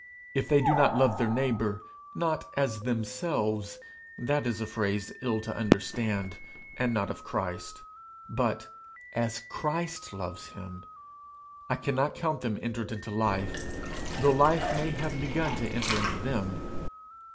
If they do not love their neighbour not as themselves: that is a phrase ill to understand, and not of Christ, but as Christ loves him, I cannot count them entered into life, though life may have begun to enter into them.